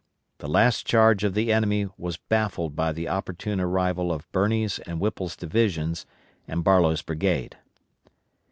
The last charge of the enemy was baffled by the opportune arrival of Birney's and Whipple's divisions, and Barlow's brigade.